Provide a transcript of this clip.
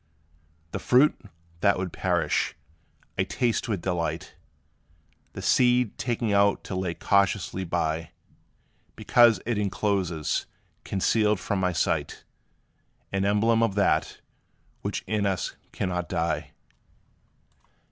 The fruit, that would perish, I taste with delight, The seed taking out to lay cautiously by, Because it encloses, concealed from my sight, An emblem of that, which in us cannot die.